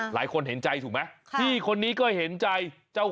หลายคนเห็นใจถูกไหมพี่คนนี้ก็เห็นใจเจ้า